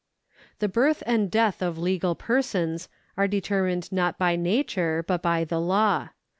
The birth and death of legal persons are determined not by nature, but by the law.